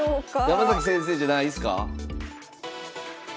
山崎先生じゃないんすか？